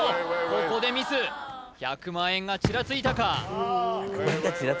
ここでミス１００万円がチラついたか